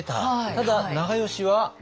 ただ長慶は。